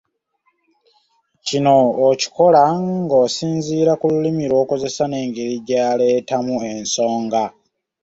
Kino okikola ng'osinziira ku lulimi lw'akozesa n'engeri gy'aleetamu ensonga.